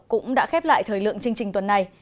cũng đã khép lại thời lượng chương trình tuần này